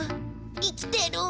生きてる？